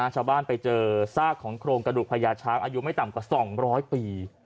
ไปเจอซากของโครงกระดูกพญาช้างอายุไม่ต่ำกว่า๒๐๐ปี